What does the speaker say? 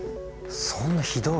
そんなひどい。